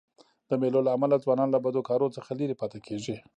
د مېلو له امله ځوانان له بدو کارو څخه ليري پاته کېږي.